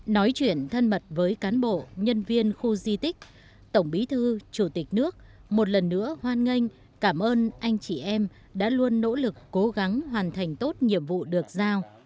nói chuyện thân mật với cán bộ nhân viên khu di tích tổng bí thư chủ tịch nước một lần nữa hoan nghênh cảm ơn anh chị em đã luôn nỗ lực cố gắng hoàn thành tốt nhiệm vụ được giao